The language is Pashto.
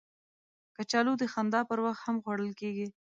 کچالو د خندا پر وخت هم خوړل کېږي